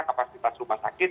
kapasitas rumah sakit